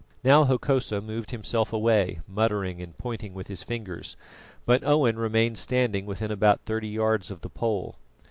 Now Hokosa moved himself away, muttering and pointing with his fingers, but Owen remained standing within about thirty yards of the pole.